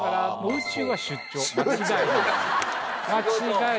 宇宙出張！